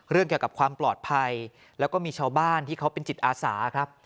เรื่องเกี่ยวกับความปลอดภัยแล้วก็มีชาวบ้านที่เขาเป็นจิตอาสาครับ